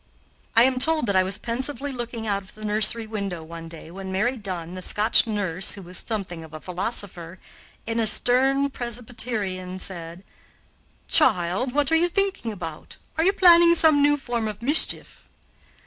I am told that I was pensively looking out of the nursery window one day, when Mary Dunn, the Scotch nurse, who was something of a philosopher, and a stern Presbyterian, said: "Child, what are you thinking about; are you planning some new form of mischief?"